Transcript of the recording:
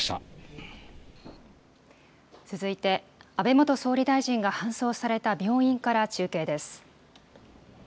続いて、安倍元総理大臣が搬送された病院から中継です。